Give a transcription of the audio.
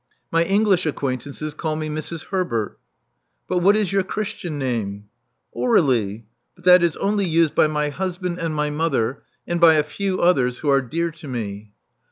My English acquaintances call me Mrs. Herbert." "But what is your Christian name?" "Aur^lie. But that is only used by my husband Love Among the Artists ' 337 and my mother — and by a few others who are dear to me.'